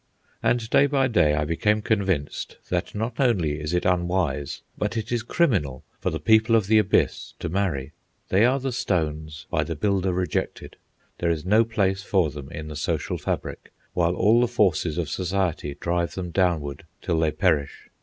And day by day I became convinced that not only is it unwise, but it is criminal for the people of the Abyss to marry. They are the stones by the builder rejected. There is no place for them, in the social fabric, while all the forces of society drive them downward till they perish.